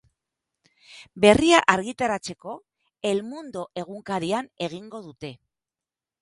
Berria argitaratzeko El Mundo egunkarian egingo dute.